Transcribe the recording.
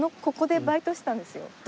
ここでバイトしてたんですよ。